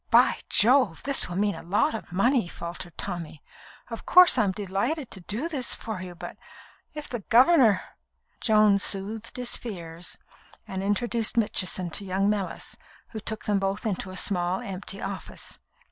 "By Jove! this will mean a lot of money," faltered Tommy. "Of course, I'm delighted to do this for you, but if the governor " Joan soothed his fears; and introduced Mitchison to young Mellis, who took them both into a small, empty office.